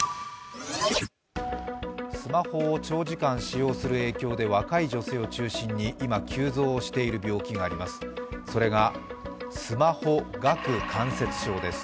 スマホを長時間使用する影響で若い女性を中心に今、急増している病気があります。